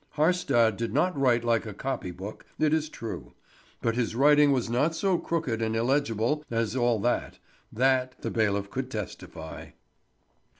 Haarstad did not write like a copy book, it is true; but his writing was not so crooked and illegible as all that, that the bailiff could testify.